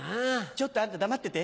ちょっとあんた黙ってて。